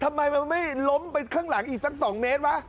ทำไมมันไม่ล้มไปข้างหลังอีกสัก๒เมตรวะ